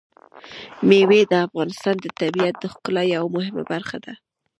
مېوې د افغانستان د طبیعت د ښکلا یوه مهمه برخه ده.